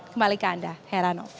kembali ke anda heranov